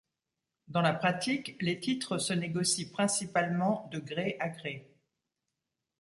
Dans la pratique, les titres se négocient principalement de gré à gré.